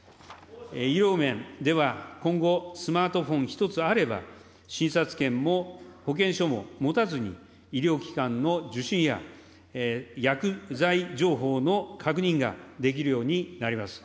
医療面では今後、スマートフォン一つあれば、診察券も保険証も持たずに、医療機関の受診や薬剤情報の確認ができるようになります。